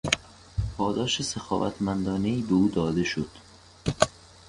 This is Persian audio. پاداش سخاوتمندانهای به او داده شد.